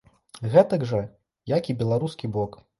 Гэтак жа, як і беларускі бок.